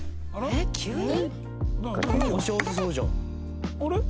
えっ急に？